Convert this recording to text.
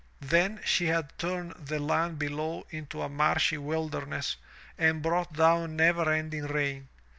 Then she had turned the land below into a marshy wilderness and brought down never ending rain.